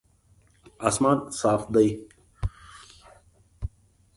اسمان صاف دی